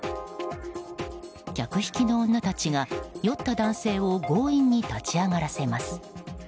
客引きの女たちが、酔った男性を強引に立ち上がらせます。